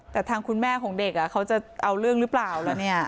แต่ทางคุณแม่ของเด็กเขาจะเอาเรื่องหรือเปล่าแล้วเนี่ย